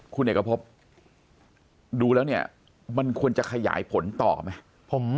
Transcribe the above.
คุณเอกพบดูแล้วเนี่ยมันควรจะขยายผลต่อไหม